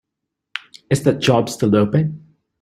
Is that job still open?